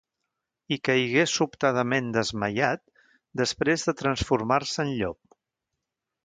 I caigué sobtadament desmaiat, després de transformant-se- en llop.